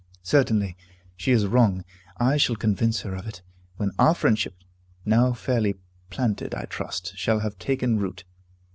Certainly, she is wrong; I shall convince her of it, when our friendship, now fairly planted, I trust, shall have taken root.